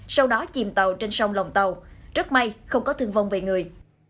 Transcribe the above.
sau đó chìm tàu trên sông lòng tàu rất may không có thương vong về người